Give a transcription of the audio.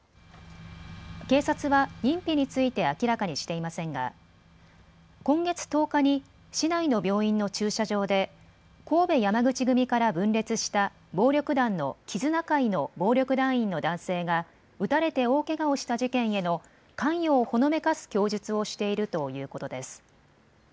警察は認否について明らかにしていませんが今月１０日に市内の病院の駐車場で神戸山口組から分裂した暴力団の絆會の暴力団員の男性が撃たれて大けがをした事件への関与をほのめかす供述をしているということです。